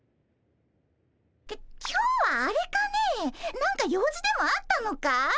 き今日はあれかね何か用事でもあったのかい？